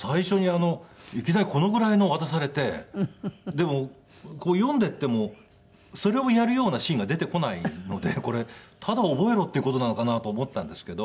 でもこう読んでいってもそれをやるようなシーンが出てこないのでこれただ覚えろっていう事なのかなと思ったんですけど。